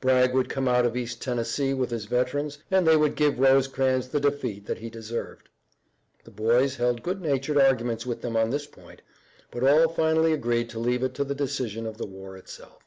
Bragg would come out of East Tennessee with his veterans, and they would give Rosecrans the defeat that he deserved. The boys held good natured arguments with them on this point, but all finally agreed to leave it to the decision of the war itself.